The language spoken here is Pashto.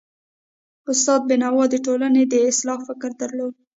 استاد بینوا د ټولني د اصلاح فکر درلود.